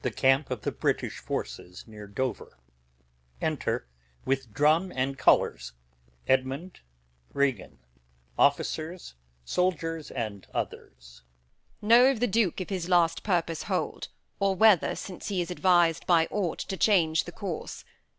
Scene I. The British camp near Dover. Enter, with Drum and Colours, Edmund, Regan, Gentleman, and Soldiers. Edm. Know of the Duke if his last purpose hold, Or whether since he is advis'd by aught To change the course.